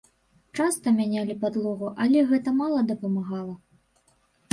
Часта мянялі падлогу, але гэта мала дапамагала.